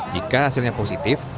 jika hasilnya positif